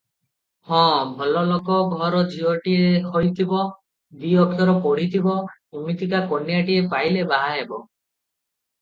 ହଁ, ଭଲଲୋକ ଘର ଝିଅଟିଏ ହୋଇଥିବ, ଦି ଅକ୍ଷର ପଢିଥିବ, ଇମିତିକା କନ୍ୟାଟିଏ ପାଇଲେ ବାହା ହେବ ।"